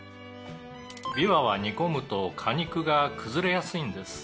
「ビワは煮込むと果肉が崩れやすいんです」